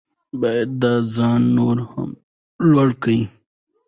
باید دا ځای نور هم لوړ کړو.